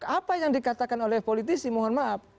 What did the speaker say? apa yang dikatakan oleh politisi mohon maaf